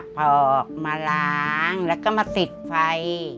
พอออกมาล้างแล้วก็มาติดไฟ